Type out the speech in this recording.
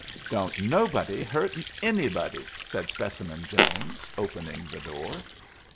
"Don't nobody hurt anybody," said Specimen Jones, opening the door.